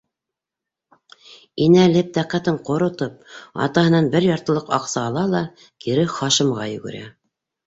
Инәлеп, тәҡәтен ҡоротоп, атаһынан бер яртылыҡ аҡса ала ла кире Хашимға йүгерә.